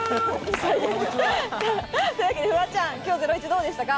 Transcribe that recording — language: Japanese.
フワちゃん、今日『ゼロイチ』どうでしたか？